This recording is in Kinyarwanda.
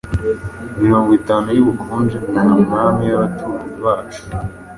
Mirongo itanu yubukonje nta mwami abaturanyi bacu